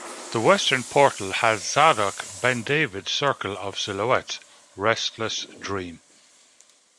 The western portal has Zadok Ben-David's circle of silhouettes, "Restless Dream".